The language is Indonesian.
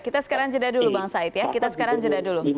kita sekarang jeda dulu bang said